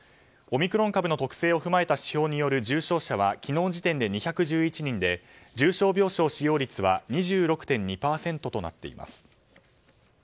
オミクロン株の特性を踏まえた指標による重症者は２１１人で重症病床使用率は２６．２％となっています。